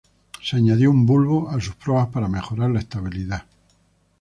Se añadió un bulbo a sus proas para mejorar la estabilidad.